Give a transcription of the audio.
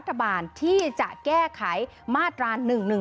ไม่สนับสนุนรัฐบาลที่จะแก้ไขมาตรา๑๑๒